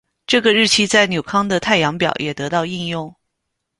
这个日期在纽康的太阳表也得到应用。